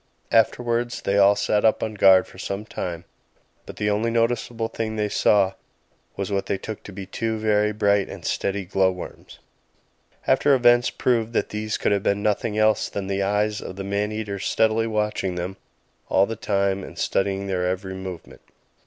Afterwards they all sat up on guard for some time; but the only noticeable thing they saw was what they took to be two very bright and steady glow worms. After events proved that these could have been nothing else than the eyes of the man eater steadily watching them all the time and studying their every movement.